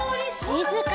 しずかに。